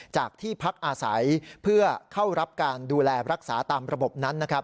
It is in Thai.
จากที่พักอาศัยเพื่อเข้ารับการดูแลรักษาตามระบบนั้นนะครับ